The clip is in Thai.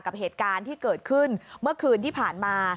กับเหตุการณ์ที่เกิดขึ้นเมื่อคืนที่ผ่านมา